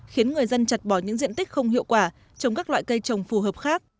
khiến người dân chặt bỏ những diện tích không hiệu quả trồng các loại cây trồng phù hợp khác